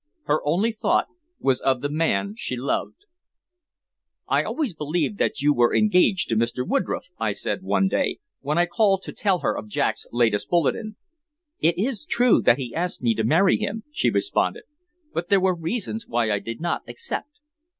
Her only thought was of the man she loved. "I always believed that you were engaged to Mr. Woodroffe," I said one day, when I called to tell her of Jack's latest bulletin. "It is true that he asked me to marry him," she responded. "But there were reasons why I did not accept."